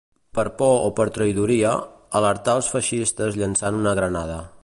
Per por o per traïdoria, alertà els feixistes llançant una granada